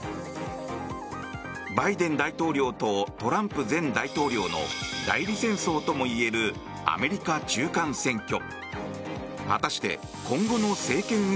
バイデン大統領とトランプ前大統領の代理戦争ともいえるアメリカ中間選挙。